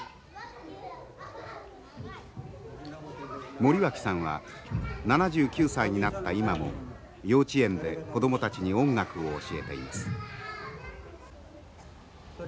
森脇さんは７９歳になった今も幼稚園で子供たちに音楽を教えています。